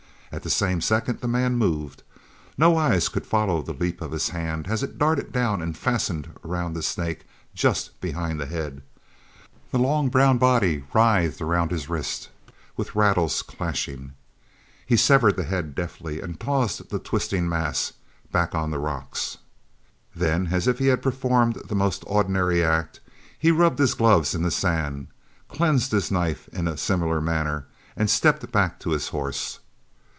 At the same second the man moved. No eye could follow the leap of his hand as it darted down and fastened around the snake just behind the head. The long brown body writhed about his wrist, with rattles clashing. He severed the head deftly and tossed the twisting mass back on the rocks. Then, as if he had performed the most ordinary act, he rubbed his gloves in the sand, cleansed his knife in a similar manner, and stepped back to his horse.